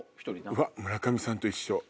うわっ村上さんと一緒。